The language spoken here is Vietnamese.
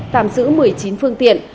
tạm giữ một mươi chín phương tiện